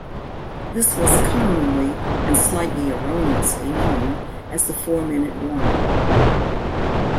This was commonly, and slightly erroneously, known as the Four minute warning.